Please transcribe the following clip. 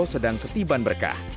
sedang ketiban berkah